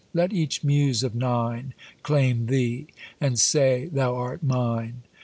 Let each Muse of nine Claim thee, and say, th'art mine.